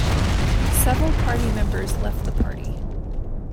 Several party members left the party.